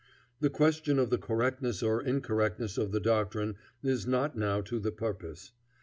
The question of the correctness or incorrectness of the doctrine is not now to the purpose.